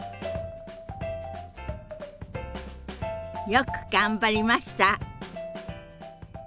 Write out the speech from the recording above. よく頑張りました。